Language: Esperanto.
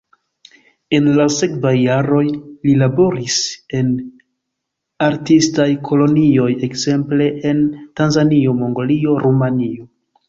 En la sekvaj jaroj li laboris en artistaj kolonioj ekzemple en Tanzanio, Mongolio, Rumanio.